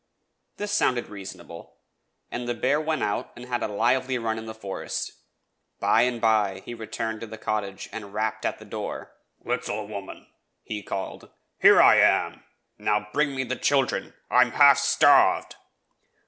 This sounded reasonable, and the bear went out and had a lively ruii in the forest. By and by he returned to the cottage and rapped at the door. "Little woman!" he called, "here I am. Now bring me the children. I am half starved."